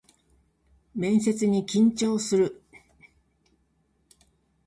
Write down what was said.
面接に緊張する